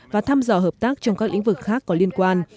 và thăm dò hợp tác trong các lĩnh vực khác có liên quan